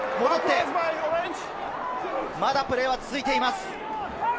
まだプレーは続いています。